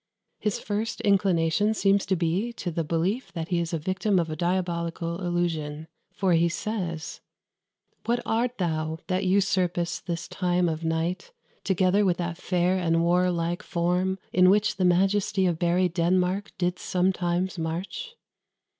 His first inclination seems to be to the belief that he is the victim of a diabolical illusion; for he says "What art thou, that usurp'st this time of night, Together with that fair and warlike form In which the majesty of buried Denmark Did sometimes march?"